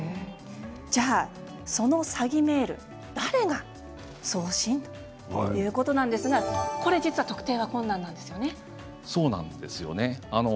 その詐欺メール誰が送信？ということなんですがこれは実は特定が困難なんですよね。